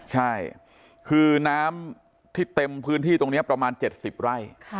ใช่คือน้ำที่เต็มพื้นที่ตรงนี้ประมาณ๗๐ไร่